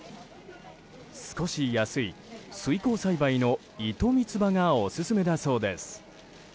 少し安い水耕栽培の糸三つ葉がオススメだそうです。